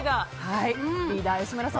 リーダー吉村さん